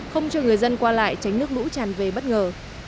không cho người dân qua lại tránh nước lũ tràn về bất ngờ